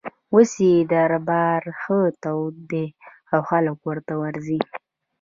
اوس یې دربار ښه تود دی او خلک ورته ورځي.